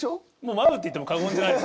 マブって言っても過言じゃない。